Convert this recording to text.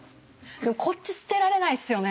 「でもこっち捨てられないっすよね」